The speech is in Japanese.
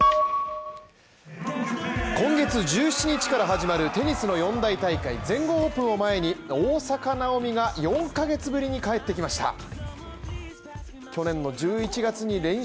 今月１７日から始まるテニスの４大大会、全豪オープンを前に、大坂なおみが４ヶ月ぶりに帰ってきました。